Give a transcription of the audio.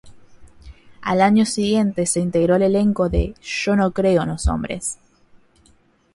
Al año siguiente se integró al elenco de "Yo no creo en los hombres".